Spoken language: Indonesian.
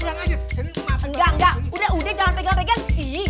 enggak enggak udah udah jangan pegang pegang